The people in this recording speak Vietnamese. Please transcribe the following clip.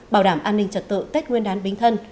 bảo đảm an ninh trật tự tết nguyên đán bính thân